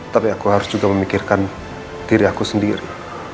tapi aku harus juga memikirkan diri aku sendiri